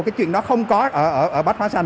cái chuyện đó không có ở bách hóa xanh